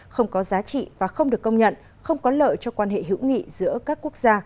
không có giá trị và không được công nhận không có lợi cho quan hệ hữu nghị giữa các quốc gia